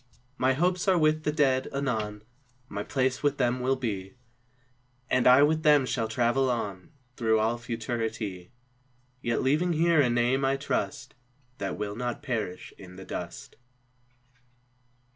My hopes are with the Dead, anon My place with them will be, And I with them shall travel on Through all Futurity; Yet leaving here a name, I trust, That will not perish in the dust.